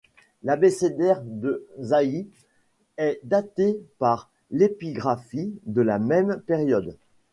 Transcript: L'Abécédaire de Zayit est daté par l'épigraphie de la même période.